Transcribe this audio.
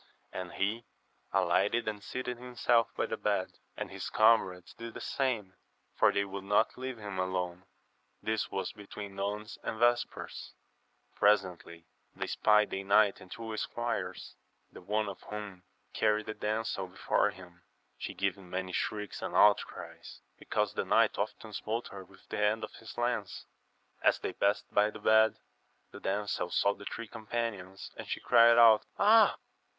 And he alighted and seated himself by the bed, and his comrades did the same, for they would not leave him alone. This was between nones and vespers. Presently they espied a knight and two esquires ; the one of whom carried a damsel before him, she giving many shrieks and outcries, because the knight often smote her with the end of his lance. As they passed by the bed, the damsel saw the three companions, and she cried out, Ah